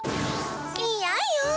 いやよ。